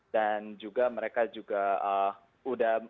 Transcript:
dan juga mereka juga sudah